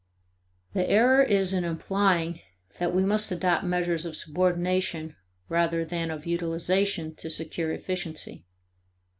The error is in implying that we must adopt measures of subordination rather than of utilization to secure efficiency.